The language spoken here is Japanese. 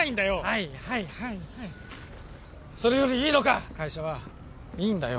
はいはいはいはいそれよりいいのか会社はいいんだよ